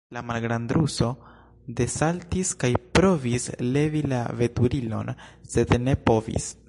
La malgrandruso desaltis kaj provis levi la veturilon, sed ne povis.